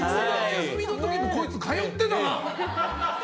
休みの時にこいつ、通ってたな！